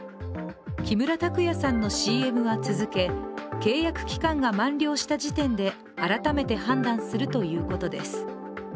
木村拓哉さんのＣＭは続け契約期間が満了した時点で、改めて判断するということです。